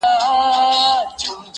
ما راوړي هغه لارو ته ډېوې دي،